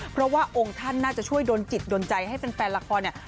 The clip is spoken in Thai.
เพราะว่าองค์ท่านน่าจะช่วยดนจิตโดนใจให้แฟนละครเนี่ย